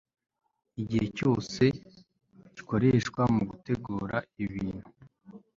Igihe cyose gikoreshwa mu gutegura ibintu